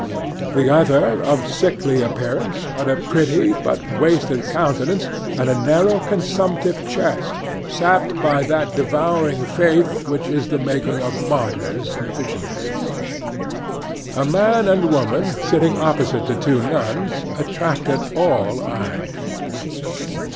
The other, of sickly appearance, had a pretty but wasted countenance, and a narrow, consumptive chest, sapped by that devouring faith which is the making of martyrs and visionaries. A man and woman, sitting opposite the two nuns, attracted all eyes.